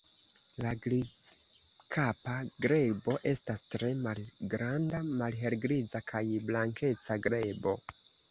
La Grizkapa grebo estas tre malgranda malhelgriza kaj blankeca grebo.